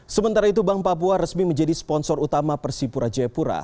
sementara itu bank papua resmi menjadi sponsor utama persipura jayapura